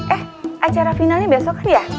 eh acara finalnya besok kan ya